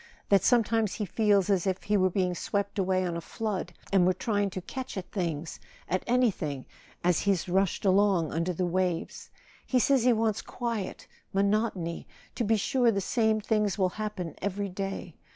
That sometimes he feels as if he were being swept away on a flood, and were trying to catch at things—at anything—as he's rushed along under the waves... He says he wants quiet, monotony ... to be sure the same things will happen every day.